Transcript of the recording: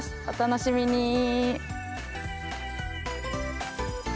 お楽しみに。